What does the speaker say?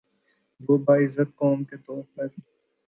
وہ باعزت قوم کے طور پہ